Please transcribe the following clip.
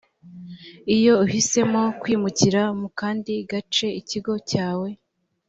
iyo uhisemo kwimukira mu kandi gace ikigo cyawe